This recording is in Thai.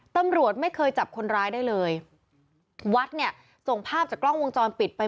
ตำรวจไม่เคยจับคนร้ายได้เลยวัดเนี่ยส่งภาพจากกล้องวงจรปิดไป